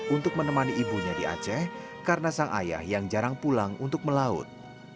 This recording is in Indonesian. untuk menemani ibunya di aceh karena sang ayah yang jarang pulang untuk melaut